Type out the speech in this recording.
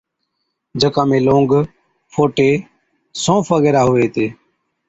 جڪا ۾ لونگ، فوٽي، سونف وغيرہ ھُوي ھِتي